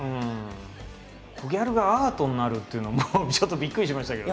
コギャルがアートになるっていうのもちょっとびっくりしましたけどね。